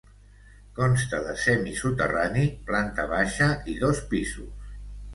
Consta de semisoterrani, planta baixa i dos pisos.